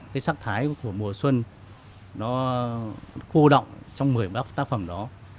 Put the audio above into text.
cái sắc thái của mùa xuân nó khô động trong một mươi tác phẩm đó